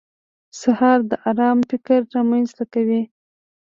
سهار د ارام فکر رامنځته کوي.